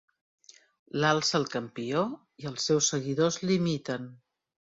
L'alça el campió i els seus seguidors l'imiten.